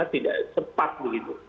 tidak sempat begitu